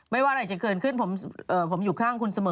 ว่าอะไรจะเกิดขึ้นผมอยู่ข้างคุณเสมอ